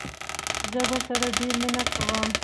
زه ورسره ډيره مينه کوم